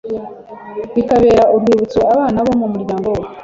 bikabera urwibutso abana bo mu muryango we